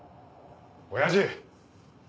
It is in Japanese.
親父！